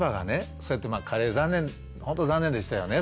そうやってまあカレー残念ほんと残念でしたよね